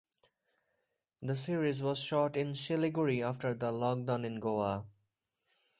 The series was shot in Siliguri after the lockdown in Goa.